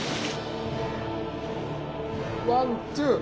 ワンツー！